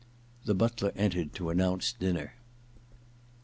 * The butler entered to announce dinner.